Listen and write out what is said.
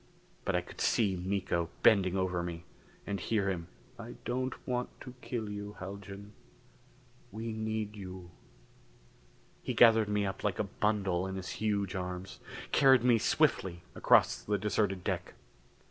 But I could see Miko bending over me, and hear him: "I don't want to kill you, Haljan. We need you." He gathered me up like a bundle in his huge arms; carried me swiftly across the deserted deck.